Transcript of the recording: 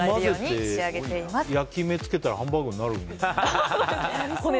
これを混ぜて焼き目つけたらハンバーグになるんですかね。